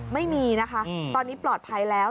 ไม่มีนะคะตอนนี้ปลอดภัยแล้ว